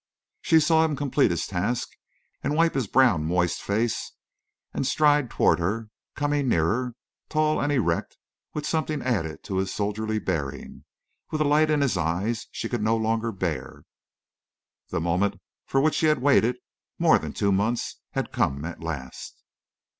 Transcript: She saw him complete his task and wipe his brown moist face and stride toward her, coming nearer, tall and erect with something added to his soldierly bearing, with a light in his eyes she could no longer bear. The moment for which she had waited more than two months had come at last.